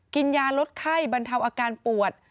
กินยาลดไข้บรรเทาอาการปวด